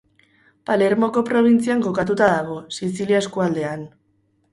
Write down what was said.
Palermoko probintzian kokatuta dago, Sizilia eskualdean.